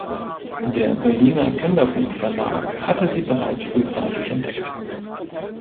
Der Berliner Kinderbuchverlag hatte sie bereits frühzeitig entdeckt.